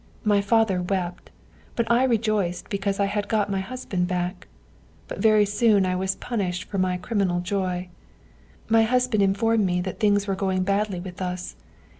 My father wept, but I rejoiced because I had got my husband back. But very soon I was punished for my criminal joy. My husband informed me that things were going badly with us.